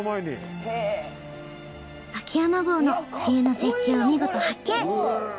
秋山郷の冬の絶景を見事発見！